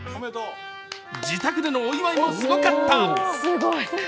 自宅でのお祝いもすごかった。